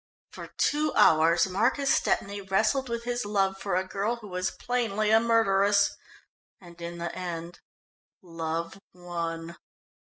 For two hours Marcus Stepney wrestled with his love for a girl who was plainly a murderess, and in the end love won.